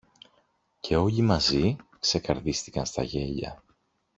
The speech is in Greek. Και όλοι μαζί ξεκαρδίστηκαν στα γέλια.